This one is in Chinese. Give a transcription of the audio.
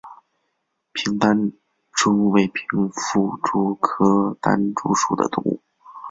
平单蛛为平腹蛛科单蛛属的动物。